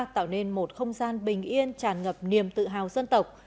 tạo nên một không gian bình yên tràn ngập niềm tự hào dân tộc